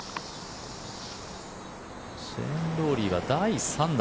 シェーン・ロウリーは第３打。